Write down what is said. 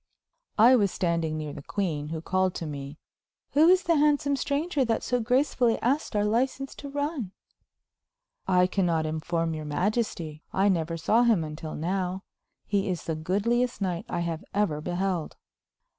I was standing near the queen, who called to me: "Who is the handsome stranger that so gracefully asked our license to run?" "I can not inform your majesty. I never saw him until now. He is the goodliest knight I have ever beheld."